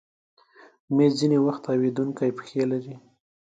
مېز ځینې وخت تاوېدونکی پښې لري.